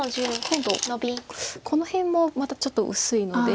今度この辺もまたちょっと薄いので。